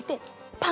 パン！